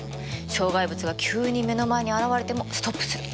障害物が急に目の前に現れてもストップするの。